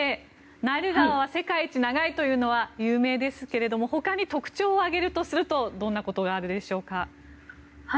ナイル川は世界一長いというのは有名ですけど他に特徴を挙げるとするとどんなことがあるでしょうか。